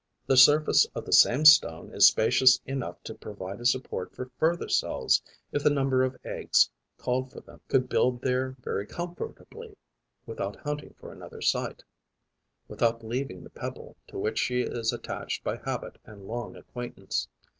The surface of the same stone is spacious enough to provide a support for further cells if the number of eggs called for them; the Bee could build there very comfortably, without hunting for another site, without leaving the pebble to which she is attached by habit and long acquaintance.